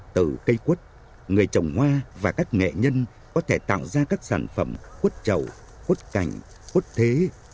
từ cây quất người trồng hoa và các nghệ nhân có thể tạo ra các sản phẩm quất trầu quất cảnh quất thế